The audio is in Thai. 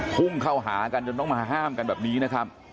พุ่งเข้าหากันจนต้องมาห้ามกันแบบนี้นะครับ